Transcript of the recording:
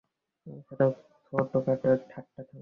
এ ছাড়া চোখটেপাটেপি ঠাট্টা তামাসা চলেইছে।